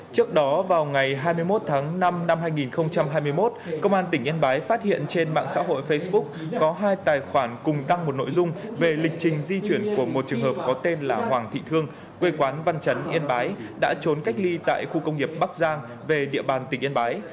trước đó vào ngày hai mươi một tháng năm năm hai nghìn hai mươi một công an tỉnh yên bái phát hiện trên mạng xã hội facebook có hai tài khoản cùng đăng một nội dung về lịch trình di chuyển của một trường hợp có tên là hoàng thị thương quê quán văn chấn yên bái đã trốn cách ly tại khu công nghiệp bắc giang về địa bàn tỉnh yên bái